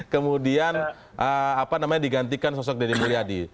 kemudian digantikan sosok deddy mulyadi